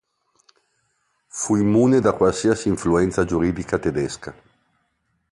Fu immune da qualsiasi influenza giuridica tedesca.